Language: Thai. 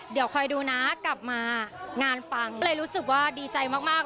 เดี๋ยวคอยดูนะกลับมางานปังก็เลยรู้สึกว่าดีใจมากมาก